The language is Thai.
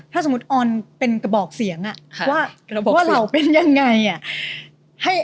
ถ้าสมมุติออนเป็นกระบอกเสียงว่าเราเป็นยังไงอ่ะ